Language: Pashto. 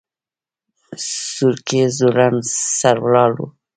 سورکی ځوړند سر ولاړ و.